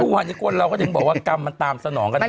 กลุ่งว่างหนีกวนเราก็จะยังบอกว่ากล้ามมันตามสนองกันทัน